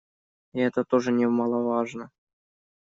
И это тоже немаловажно.